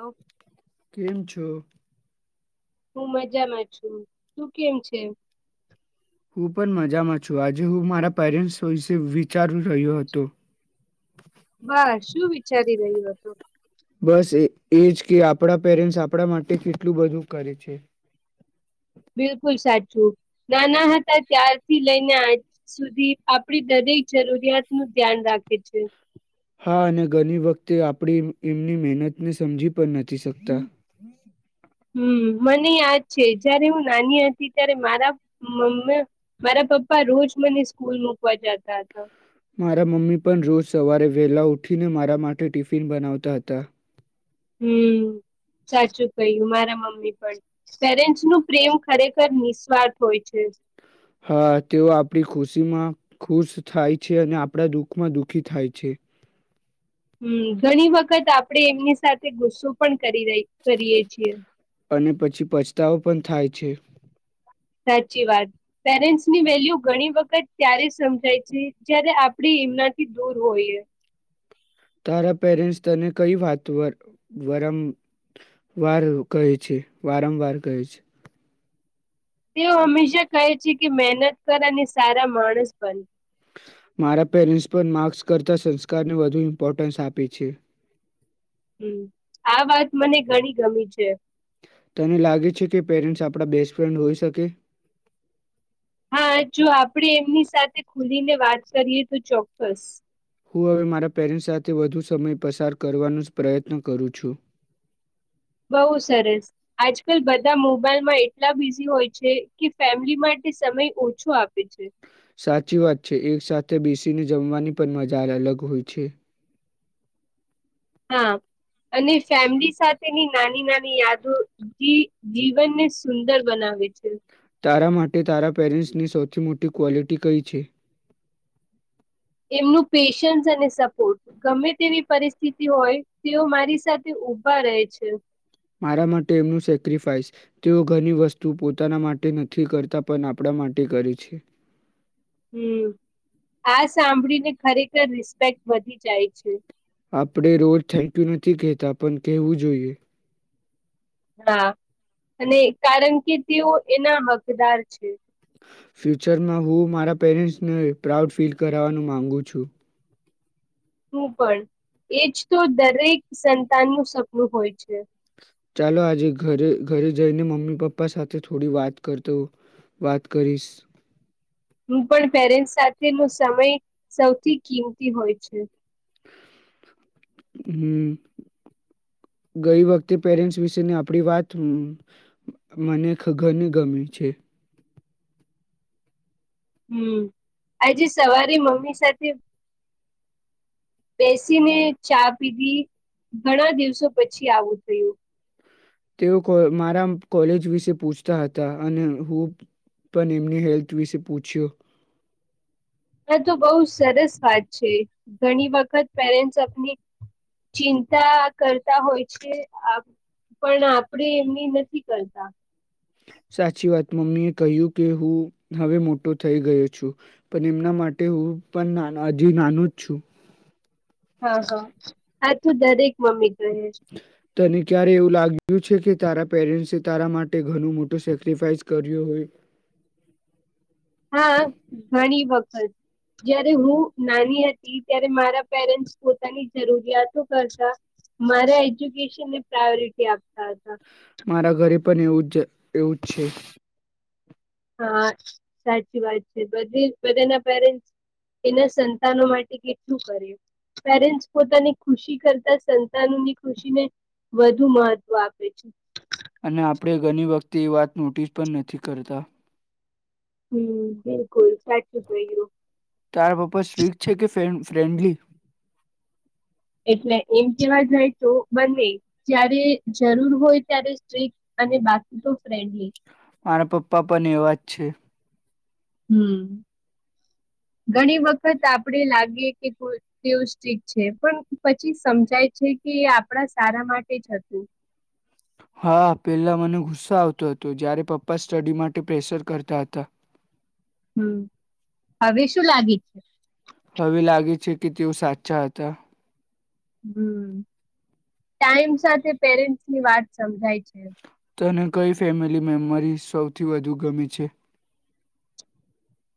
હું કેમ છો. હું મજામાં છું શું કેમ છે. હું પણ મજામાં છું આજે હું મારા પેરેન્ટ્સ વિશે વિચારી રહ્યો હતો. વા શું વિચારી રહ્યો હતું. બસ એજ કે આપણા પેરેન્ટ્સ આપણા માટે કેટલું બધું કરે છે. બિલકુલ સાચું નાના હતા ત્યારથી લઈને આજ સુધી આપડી દરેક જરૂરિયાત નું ધ્યાન રાખે છે. હા અને ઘણી વખતે આપડી એમની મહેનત ને સમજી પણ નથી શકતા હમ મને યાદ છે જયારે હું નાની હતી ત્યારે મારા મમ્ મારા પપ્પા રોજ મને સ્કૂલ મુૂકવા જતા હતા. મારા મમ્મી પણ રોજ સવારે વેલા ઉઠીને મારા માટે ટિફિન બનાવતા હતા. હમ સાચું કહ્યું મારા મમ્મી પણ પેરેન્ટ્સ નું પ્રેમ ખરેખર નિસ્વાર્થ હોય છે. હા તેઓ આપણી ખુશીમાં ખુશ થાય છે અને આપણા દુઃખમાં દુઃખી થાય છે. હમ ઘણી વખત આપડે એમની સાથે ગુસ્સો પણ કરી ર કરીએ છીએ અને પછી પછતાવો પણ થાય છે. સાચી વાત પેરેન્ટસ ની વેલ્યુ ઘણી વખત ત્યારે સમજાય છે જયારે આપ આપડી એમના થી દૂર હોઈએ તારા પેરેન્ટ્સ તને કઈ વાત વારંવાર કહે છે વારંવાર કહે છે તેઓ હંમેશા કહે છે કે મહેનત કર અને સારા માણસ બને મારા પેરેન્ટ્સ પણ માર્ક્સ કરતા સંસ્કારને વધુ ઇમ્પોર્ટન્સ આપે છે હમ આ વાત મને ઘણી ગમી છે તને લાગે છે કે પેરેન્ટ્સ આપણા બેસ્ટફ્રેન્ડ હોઈ શકે હા જો આપડે એમની સાથે ખુલીને વાત કરીએ તો ચોક્કસ હું હવે મારા પેરેન્ટ્સ સાથે વધુ સમય પસાર કરવાનો જ પ્રયત્ન કરું છું બઉુ સરસ આજકાલ બધા મોબાઈલમાં એટલા બિઝી હોય છે કે ફેમિલી માટે સમય ઓછો આપે છે સાચી વાત છે એક સાથે બેસીને જમવાની પણ મજા અલગ હોય છે હા અને ફેમિલી સાથેની નાની નાની યાદો ઈ ઈ જીવનને સુંદર બનાવે છે તારા માટે તારા પેરેન્ટ્સની સૌથી મોટી ક્વોલિટી કઈ છે એમનું પેશન્સ અને સપોર્ટ ગમે તેવી પરિસ્થિતિ હોય તેઓ મારી સાથે ઉભા રહે છે મારા માટે એમનું સેક્રિફાઈસ તેઓ ઘણી વસ્તુ પોતાના માટે નથી કરતા પણ આપણા માટે કરે છે હમ આ સાંભળીને ખરેખર રિસ્પેક્ટ વધી જાય છે આપણે રોજ થેન્ક યુ નથી કહેતા પણ કહેવું જોઈએ હા અને કારણ કે તેઓ એના હકદાર છે ફ્યુચરમાં હું મારા પેરેન્ટ્સને પ્રાઉડ ફીલ કરાવવાનું માંગુ છું હું પણ એજ તો દરેક સંતાનનું સપનું હોય છે ચાલો આજે ઘરે ઘરે જઈને મમ્મી પપ્પા સાથે થોડી વાત કરતો વાત કરીશ હું પણ પેરેન્ટ્સ સાથેનો સમય સૌથી કિંમતી હોય છે હમ ગઈ વખતે પેરેન્ટ્સ વિશેની આપણી વાત હુ મને ખઘનને ગમે છે હમ આજે સવારે મમ્મી સાથે બેસીને ચા પીધી ઘણા દિવસો પછી આવું થયું તેઓ કોએ મારા કોલેજ વિશે પૂછતા હતા અને હું પણ એમની હેલ્થ વિશે પૂછ્યું હ તો બહુ સરસ વાત છે. ઘણી વખત પેરેન્ટસ આપણી ચિંતા કરતા હોય છે પણ આપણે એમની નથી કરતા. સાચી વાત મમ્મી એ કહ્યું કે હું હવે મોટો થઈ ગયો છું પણ એમના માટે હું પણ હજ નાનું જ છું. હા હા આથું દરેક મમ્મી અને તને ક્યારે એવું લાગ્યું છે કે તારા પેરેન્ટ્સે તારા માટે ઘણું મોટું સેક્રિફાઈસ કર્યું હોય. હા ઘણી વખત જયારે હું નાની હતી ત્યારે મારા પેરેન્ટ્સ પોતાની જરૂરિયાતો કરતા મારા એજ્યુકેશનને પ્રાયોરિટી આપ. મારા ઘરે પણ એવું એવું જ છે. હા સાચી વાત છે બધ બધાના પેરેન્ટ્સ એના સંતાનો માટે કેટલું કરે પેરેન્ટ્સ પોતાની ખુશી કરતા સંતાનોની ખુશીને વધુ મહત્વ આપે છે. અને આપણે ઘણી વખતે એ વાત નોટિસ પણ નથી કરતા. હમ બિલકુલ સાચી તારા પપ્પા શ્રીક છે કે ફે ફ્રેન્ડલી એટલે એમ કેવા જાય તો બને જયારે જરૂર હોય ત્યારે સ્ટક અને બાકી તો ફ્રેન્ડલી મારા પપ્પા પણ એવા જ છે. હમ ઘણી વખત આપડે લાગીએ કે તેવું સ્ટક છે પણ પછી સમજાય છે કે એ આપણા સારા માટે જ હતું. હા પેલા મને ગુસ્સાો આવતો હતો જયારે પપ્પા સ્ટડી માટે પ્રેશર કરતા હતા. હમ હવે શું લાગે છે? હવે લાગે છે કે તેઓ સાચા હતા. હમ, ટાઈમ સાથે પેરેન્ટ્સ ની વાત સમજાય છે. તને કઈ ફેમિલી મેમ્બરી સૌથી વધુ ગમે છે?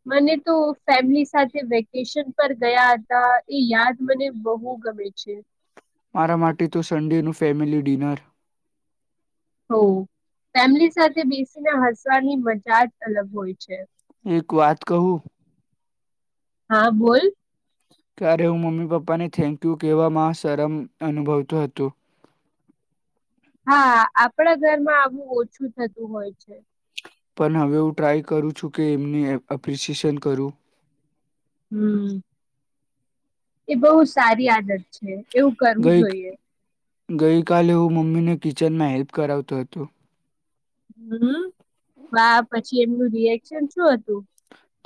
મને તો ફેમિલી સાથે વેકેશન પર ગયા હતા એ યાદ મને બહુ ગમે છે. મારા માટે તો સન્ડેનું ફેમિલી ડિનર ઓ ફેમિલી સાથે બેસીને હસવાની મજા જ અલગ હોય છે. એક વાત કહું? હા, બોલ. ત્યારે હું મમ્મી પપ્પાને થેન્ક યુ કહેવામાં શરમ અનુભવતો હતો. હા, આપણા ઘરમાં આવું ઓછું થતું હોય છે. પણ હવે હું ટ્રાય કરું છું કે એમને એપ્રિશિએશન કરું. હમ. એ બહુ સારી આદત છે, એવું કરવું ગઈ જોઈએ. ગઈકાલે હું મમ્મીને કિચનમાં હેલ્પ કરાવતો હતો. હમ. વાહ, પછી? પછી એમનું રિએક્શન શું હતું?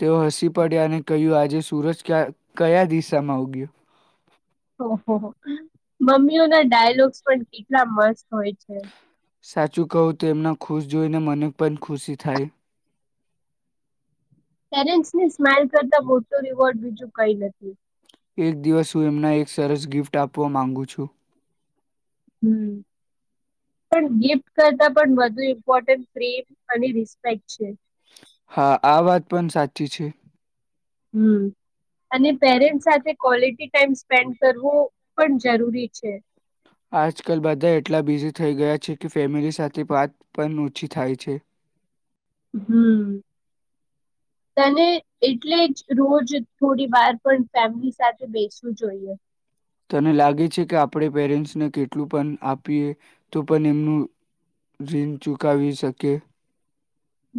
તેઓ હસી પડ્યા અને કહ્યું, આજે સુરજ કયા દિશામાં ઉગયો? ઓહ મમ્મીઓ ના ડાયલોગ્સ પણ કેટલા મસ્ત હોય છે. સાચું કવું તો એમના ખુશ જોઈને મને પણ ખુશી થાય. પેરેન્ટ્સને સ્માઇલ કરતાં મોટો રિવોર્ડ બીજું કંઈ નથી. એક દિવસ હું એમને એક સરસ ગિફ્ટ આપવા માંગુ છું. હમ, પણ ગિફ્ટ કરતા પણ વધુ ઇમ્પોર્ટન્ટ પ્રેમ અને રિસ્પેક્ટ છે. હા, આ વાત પણ સાચી છે. હમ, અને પેરેન્ટ્સ સાથે ક્વોલિટી ટાઈમ સ્પેન્ડ કરવો પણ જરૂરી છે. આજકાલ બધા એટલા બિઝી થઈ ગયા છે કે ફેમિલી સાથે વાત પણ ઓછી થાય છે. હમ, તને એટલે જ રોજ થોડી વાર પણ ફેમિલી સાથે બેસવું જોઈએ. તને લાગે છે કે આપણે પેરેન્ટ્સને કેટલું પણ આપીએ તો પણ એમનું રીણ ચૂકાવી શકે?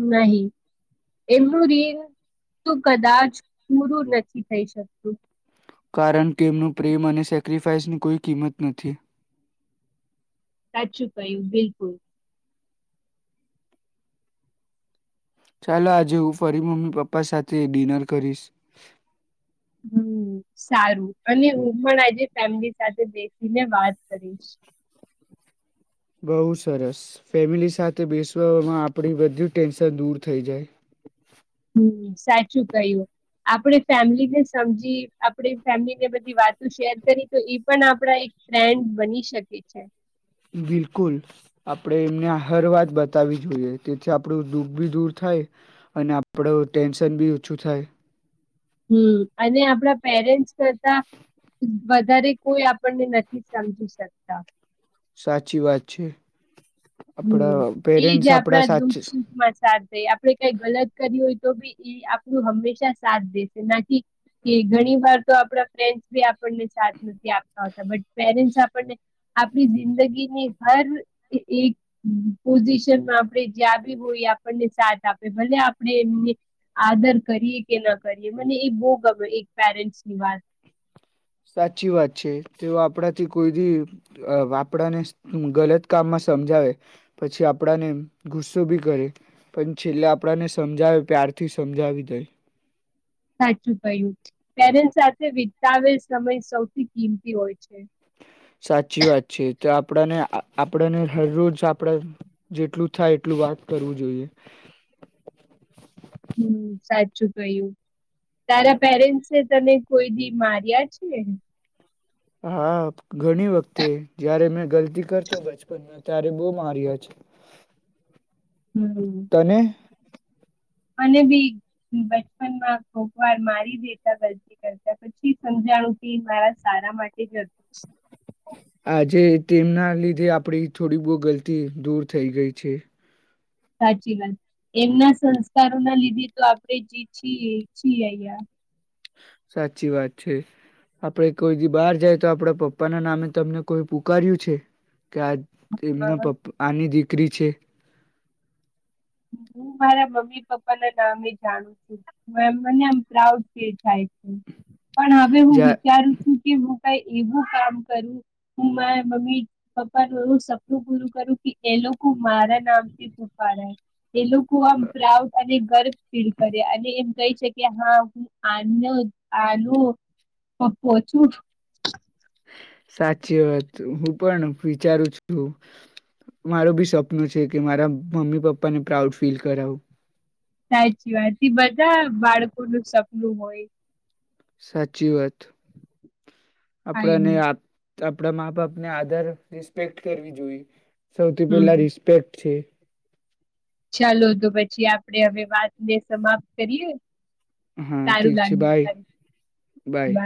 નહીં, એમનું રીણ તું કદાચ પૂરું નથી થઈ શકતું. કારણ કે, એમનું પ્રેમ અને સેક્રિફાઈસની કોઈ કિંમત નથી. સાચું કહ્યું. બિલકુલ. ચાલો, આજે હું ફરી મમ્મી પપ્પા સાથે ડિનર કરીશ. હમ, સારું. અને હું પણ આજે ફેમિલી સાથે બેસીને વાત કરીશ. બઉ સરસ, ફેમિલી સાથે બેસવામાં આપડી બધી ટેન્શન દૂર થઈ જાય. હમ, સાચું કહ્યું. આપણે ફેમિલીને સમજી આપણે ફેમિલીને બધી વાતો શેર કરી તો એ પણ આપણા એક ફ્રેન્ડ બની શકે છે. બિલકુલ, આપડે એમને આ હર વાત બતાવી જોઈએ, તેથી આપડું દુઃખ ભી દૂર થાય અને આપડુ ટેન્શન બી ઓછું થાય. હમ, અને આપણા પેરેન્ટ્સ કરતા વધારે કોઈ આપણને નથી સમજી શકતા. સાચી વાત છે. હમ, આપણા એજ પેરેન્ટ્સ આપણા આપડા સાચ દુઃખ-સુખ માં સાર થઈ. આપણે કંઈ ગલત કરી હોય તો, બી એ આપણું હંમેશા સાથ દેશે નાકી ઘણી વાર તો આપ ફડી આપણ સા નથી આપતા હોતા, બટ પેરેન્ટસ આપણને આપણી જિંદગીની હર એક પોઝિશનમાં આપણે જ્યાં બી હોય, આપણને સાથ આપે, ભલે આપણે એમને આદર કરીએ કે ના કરીએ, મને એ બહુ ગમે એક પેરેન્ટ્સની વાત. સાચી વાત છે, તેઓ આપણાથી કોઈ આપણાને ગલત કામમાં સમજાવે, પછી આપણાને ગુસ્સો બી કરે, પણ છેલ્લે આપણાને સમજાવે પ્યારથી સમજાવી દે. સાચું કહ્યું, પેરેન્ટસ સાથે વિતાવેલ સમય સૌથી કિંમતી હોય છે. આપને આપણેને હર રોજ આપણે જેટલું થાય એટલું વાત કરવું જોઈએ. હમ સાચું તો એયું તારા પેરેન્ટ્સે તને કોઈ દી માર્યા છે. હા ઘણી વખતે જયારે મેં ગલતી કરતો બચપનમાં ત્યારે બહ માર્યો છે. તને [inaudible] અને બી બચપનમાં કોક વાર મારી બેટા ગરતી કરતા પછી સમજાણું કે મારા સારા માટે જ હતું. આજે તેમના લીધે આપડી થોડી બહુ ગલતી દૂર થઈ ગઈ છે. સાચી વાત એમના સંસ્કારોના લીધે તો આપણે જ છીએ છીએ અ. સાચી વાત છે આપડે કોઈ દી બહાર જાય તો આપડા પપ્પા ના નામે તમને કોઈ પુકાર્યું છે. કે આ એમના પપ્પા આની દીક [inaudible] હું મારા મમ્મી પપ્પા ના નામે જાણું છું મને આ પ્રાઉડ ફીલ થાય છે. પણ હવે હું જા વિચારું છું કે પ એવું કામ કરું હું મારા મમ્મી પપ્પાનું એવું સપનું પૂરું કરું કે એ લોકો મારા નામથી ફૂાડાય. એ લોકો આમ પ્રાઉડ અને ગર્વ ફીલ કરે. અને એમ કહે છે કે હા હું આ આનો પપ્પો છું સાચી વાત હું પણ વિચારું છું માર બી સપ્ન છે કે મારા મમ્મી પપ્પા ને પ્રાઉડ ફીલ કરાવું. સાચી વાત બધા બાળકોનું સપનું હોય સાચી વાત. આપડેને આઈની યાદ તો આપડા મા -બાપને આધર રિસ્પેક્ટ કરવી જોઈએ. સૌથી હમ પહેલા રિસ્પેક્ટ છે. ચાલો તો, પછી આપડે હવે વાતને સમાપ્ત કરીએ. હા સારું ઠીક છે બાય લાગ્યું બાય.